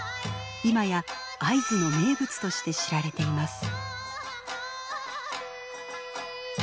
今や会津の名物として知られています。